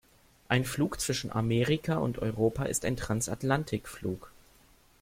Ein Flug zwischen Amerika und Europa ist ein Transatlantikflug.